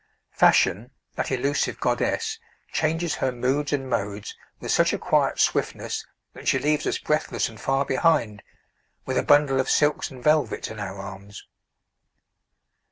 Fashion, that elusive goddess, changes her moods and modes with such a quiet swiftness that she leaves us breathless and far behind, with a bundle of silks and velvets in our arms.